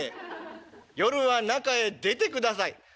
夜は仲へ出てください」。